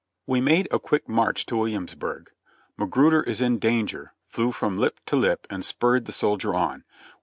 We made a quick march to Williamsburg. "Magruder is in danger/' flew from lip to lip and spurred the soldier on.